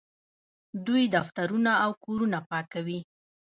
دوی دفترونه او کورونه پاکوي.